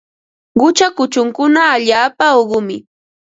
Qucha kuchunkuna allaapa uqumi.